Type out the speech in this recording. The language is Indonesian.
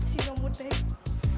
si nyamuk teh